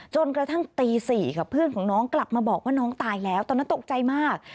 จนกระทั่งตี๔กับเพื่อนของน้องกลับมาบอกว่าน้องตายแล้วตอนนั้นตกใจมาก